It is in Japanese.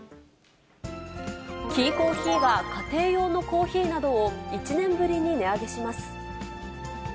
キーコーヒーは家庭用のコーヒーなどを、１年ぶりに値上げします。